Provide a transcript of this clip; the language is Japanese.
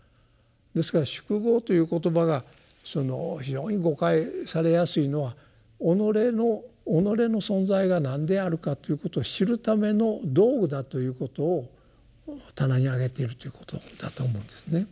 ですから「宿業」という言葉が非常に誤解されやすいのは己の存在が何であるかということを知るための道具だということを棚に上げているということだと思うんですね。